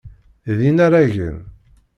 D inaragen.